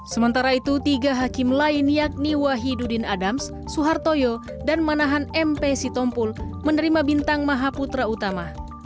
sementara itu tiga hakim lain yakni wahidudin adams suhartoyo dan manahan mp sitompul menerima bintang maha putra utama